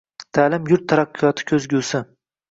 Ta’lim yurt taraqqiyoti ko‘zgusing